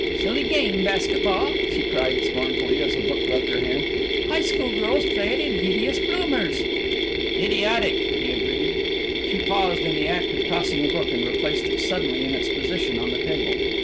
"Silly game, basket ball," she cried scornfully as a book left her hand. "High school girls play it in hideous bloomers." "Idiotic," he agreed. She paused in the act of tossing a book, and replaced it suddenly in its position on the table.